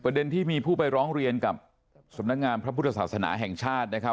ที่มีผู้ไปร้องเรียนกับสำนักงานพระพุทธศาสนาแห่งชาตินะครับ